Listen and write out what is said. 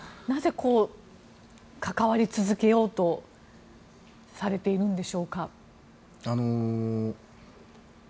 なぜ、関わり続けようとされているんでしょうか。